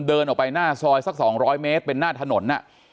เดินออกไปหน้าซอยสัก๒๐๐เมตรเป็นหน้าถนน